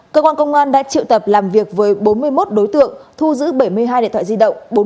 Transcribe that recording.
cơ quan công an đã triệu tập làm việc với bốn mươi một đối tượng thu giữ bảy mươi hai điện thoại di động